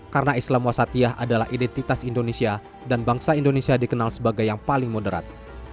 karena islam wasatiyah adalah identitas indonesia dan bangsa indonesia dikenal sebagai yang paling moderat